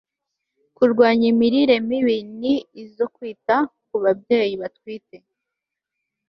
kurwanya imirire mibi n izo kwita ku babyeyi batwite